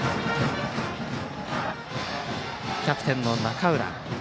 キャプテンの中浦。